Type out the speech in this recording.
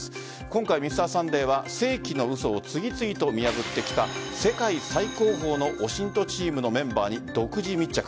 今回「Ｍｒ．サンデー」は世紀の嘘を次々と見破ってきた世界最高峰のＯＳＩＮＴチームのメンバーに独自密着。